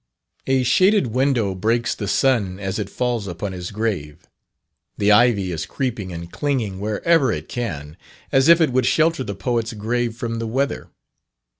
A shaded window breaks the sun as it falls upon his grave. The ivy is creeping and clinging wherever it can, as if it would shelter the poet's grave from the weather.